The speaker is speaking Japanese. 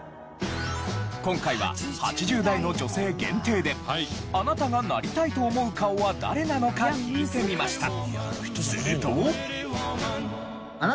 今回は８０代の女性限定であなたがなりたいと思う顔は誰なのか聞いてみました。